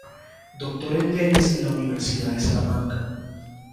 Doctor en leyes en la Universidad de Salamanca.